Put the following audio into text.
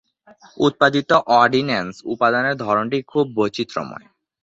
উৎপাদিত অর্ডিন্যান্স উপাদানের ধরনটি খুব বৈচিত্র্যময়।